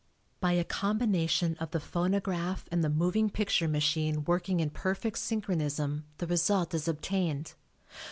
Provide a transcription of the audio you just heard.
By a combination of the phonograph and the moving picture machine working in perfect synchronism the result is obtained.